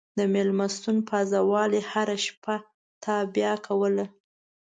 د مېلمستون پازوالې هره شپه تابیا کوله.